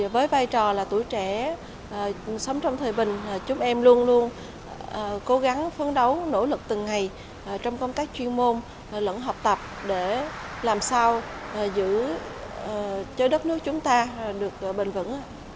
với vai trò là tuổi trẻ sống trong thời bình chúng em luôn luôn cố gắng phấn đấu nỗ lực từng ngày trong công tác chuyên môn lẫn học tập để làm sao giữ cho đất nước chúng ta được bền vững